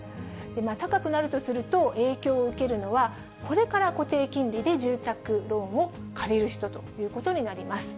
高くなるとすると、影響を受けるのは、これから固定金利で住宅ローンを借りる人ということになります。